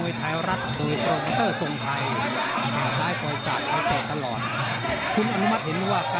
อย่ายุบอย่าเหี่ยวอย่าหมดนะครับเอ้าฟันด้วยสอบขวา